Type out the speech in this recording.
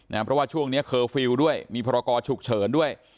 เพราะว่าช่วงนี้เคอร์ฟิลล์ด้วยมีพรกรฉุกเฉินด้วย